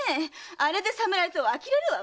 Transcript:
あれで侍とはあきれるわ。